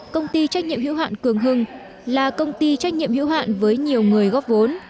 công ty trách nhiệm hữu hạn cường hưng là công ty trách nhiệm hữu hạn với nhiều người góp vốn